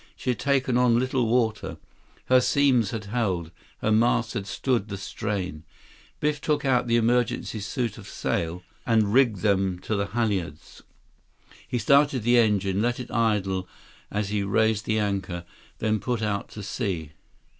She had taken on little water. Her seams had held. Her masts had stood the strain. Biff took out the emergency suit of sail and rigged them to the halyards. He started the engine, let it idle as he raised the anchor, then put out to sea.